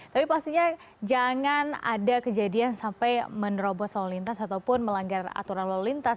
tapi pastinya jangan ada kejadian sampai menerobos lalu lintas ataupun melanggar aturan lalu lintas